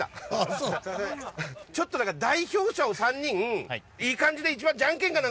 ちょっと代表者を３人いい感じでジャンケンか